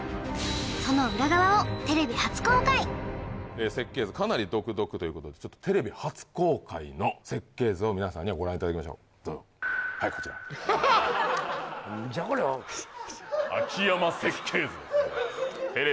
その裏側をテレビ初公開設計図かなり独特ということでテレビ初公開の設計図を皆さんにはご覧いただきましょうどうぞはいこちら何じゃこれは秋山設計図です